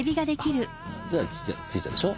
じゃあついたでしょ。